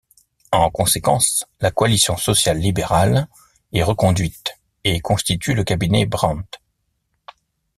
En conséquence, la coalition sociale-libérale est reconduite et constitue le cabinet Brandt.